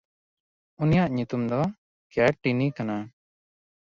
ᱩᱱᱤᱭᱟᱜ ᱧᱩᱛᱩᱢ ᱫᱚ ᱠᱮᱭᱟᱴᱭᱤᱱ ᱠᱟᱱᱟ᱾